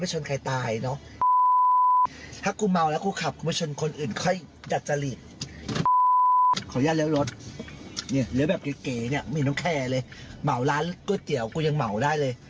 หมดทุกตัวอะไรก็ให้กูพูด